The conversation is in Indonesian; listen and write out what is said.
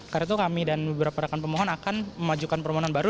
karena itu kami dan beberapa rakan pemohon akan memajukan permohonan baru